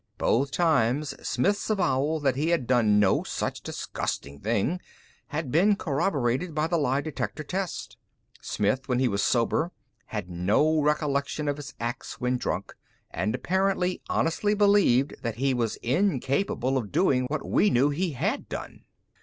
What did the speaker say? Both times, Smith's avowal that he had done no such disgusting thing had been corroborated by a lie detector test. Smith when he was sober had no recollection of his acts when drunk, and apparently honestly believed that he was incapable of doing what we knew he had done.